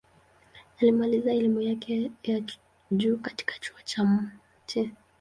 Alimaliza elimu yake ya juu katika Chuo Kikuu cha Mt.